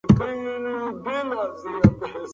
کبابي په خپلو خبرو کې د تېرې شپې ډرامه یادوله.